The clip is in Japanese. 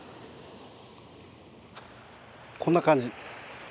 こんな感じ。